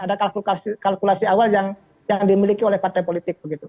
ada kalkulasi awal yang dimiliki oleh partai politik begitu